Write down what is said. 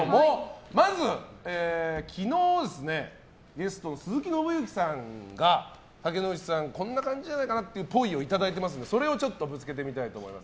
まず昨日ゲストの鈴木伸之さんが竹野内さん、こんな感じじゃないかなという、ぽいをいただいていますのでそれをぶつけてみたいと思います。